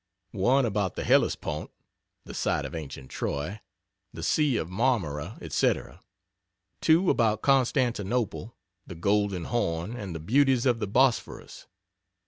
1 about the Hellespont, the site of ancient Troy, the Sea of Marmara, etc. 2 about Constantinople, the Golden Horn and the beauties of the Bosphorus.